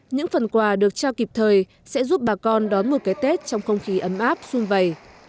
những phần quà được trao kịp thời sẽ giúp bà con đón một cái tết trong không khí ấm áp xung vầy